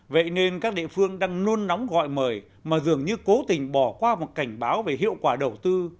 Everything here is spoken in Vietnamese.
vậy nên các địa phương đang nôn nóng gọi mời mà dường như cố tình bỏ qua một cảnh báo về hiệu quả đầu tư